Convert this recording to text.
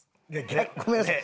ごめんなさい。